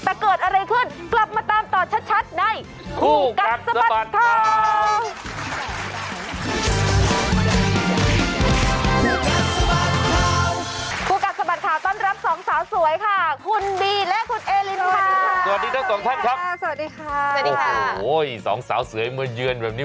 สวัสดีค่ะสวัสดีค่ะโอ้โฮสองสาวเสือให้เมื่อเยือนแบบนี้